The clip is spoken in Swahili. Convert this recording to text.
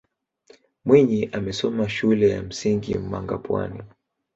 mwinyi amesoma shule ya msingi mangapwani